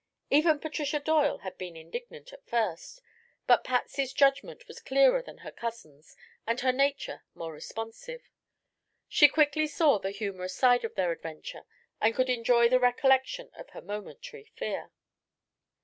Even Patricia Doyle had been indignant, at first; but Patsy's judgment was clearer than her cousin's and her nature more responsive. She quickly saw the humorous side of their adventure and could enjoy the recollection of her momentary fear.